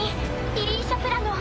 イリーシャ・プラノ。